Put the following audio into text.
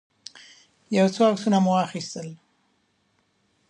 يو څو عکسونه مو واخيستل.